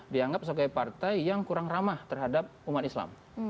dianggap sebagai partai yang kurang ramah terhadap umat islam